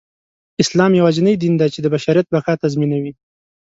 اسلام يواځينى دين دى، چې د بشریت بقاﺀ تضمينوي.